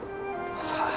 さあ。